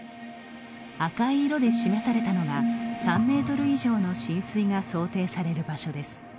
赤い色で示されたのが３ｍ以上の浸水が想定される場所です。